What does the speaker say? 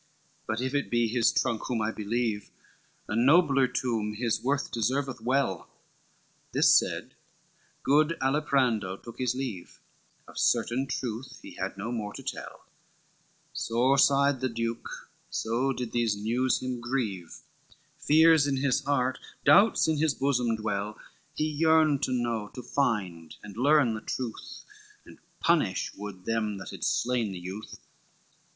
LVI "But if it be his trunk whom I believe, A nobler tomb his worth deserveth well." This said, good Aliprando took his leave, Of certain troth he had no more to tell, Sore sighed the duke, so did these news him grieve, Fears in his heart, doubts in his bosom dwell, He yearned to know, to find and learn the truth, And punish would them that had slain the youth.